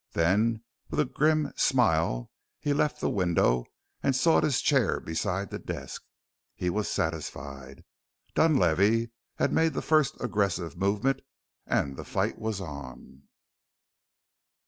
Then with a grim smile he left the window and sought his chair beside the desk. He was satisfied. Dunlavey had made the first aggressive movement and the fight was on.